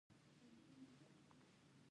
آیا د کاناډا بانکي سیستم ډیر قوي نه دی؟